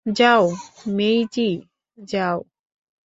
যাও, মেইজি, যাও!